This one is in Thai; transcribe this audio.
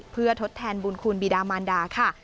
เพื่อทดแทนบุญคุณบีดามานดาค่ะ